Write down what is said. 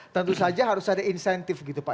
tentu saja harus ada insentif gitu pak